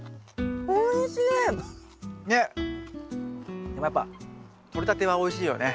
でもやっぱとれたてはおいしいよね。